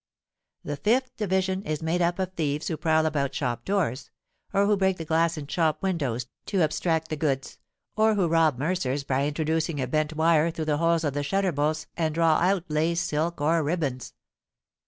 The fifth division is made up of thieves who prowl about shop doors; or who break the glass in shop windows, to abstract the goods; or who rob mercers by introducing a bent wire through the holes of the shutter bolts, and draw out lace, silk, or ribands.